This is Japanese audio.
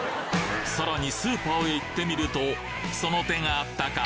さらにスーパーへ行ってみるとその手があったか！